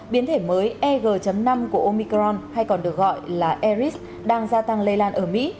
biến thể mới eg năm của omicron hay còn được gọi là eris đang gia tăng lây lan ở mỹ